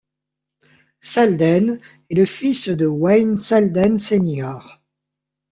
Selden est le fils de Wayne Selden Sr.